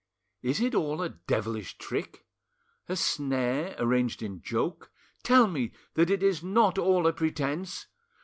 Is it all a devilish trick—a snare arranged in joke? Tell me that it is not all a pretence!